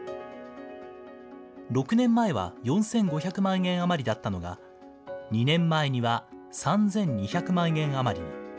６年前は４５００万円余りだったのが、２年前には３２００万円余りに。